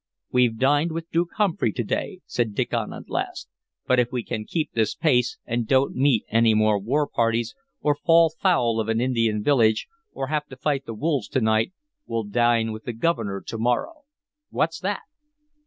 "We've dined with Duke Humphrey to day," said Diccon at last; "but if we can keep this pace, and don't meet any more war parties, or fall foul of an Indian village, or have to fight the wolves to night, we'll dine with the Governor to morrow. What's that?"